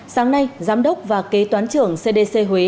sáng nay giám đốc và kế toán trưởng cdc huế